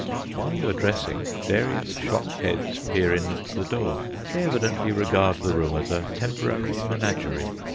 While you are dressing various shock heads peer in at the door; they evidently regard the room as a temporary menagerie.